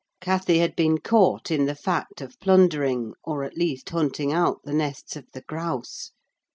Cathy had been caught in the fact of plundering, or, at least, hunting out the nests of the grouse.